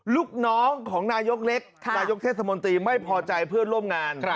ลูกน้องของนายกเล็กนายกเทศมนตรีไม่พอใจเพื่อนร่วมงาน